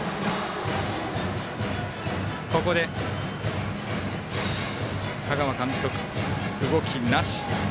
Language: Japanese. ここで、香川監督、動きなし。